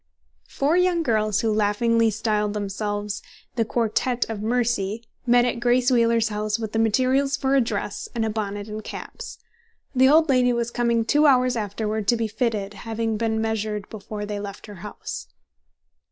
Four young girls, who laughingly styled themselves "The Quartette of Mercy," met at Grace Wheeler's house with materials for a dress, and a bonnet and caps. The old lady was coming two hours afterward to be fitted, having being measured before they left her house.